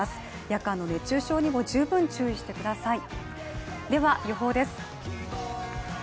夜間の熱中症にも十分注意してください。